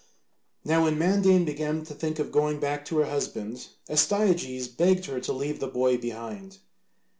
Now when Mandane began to think of going back to her husband, Astyages begged her to leave the boy behind.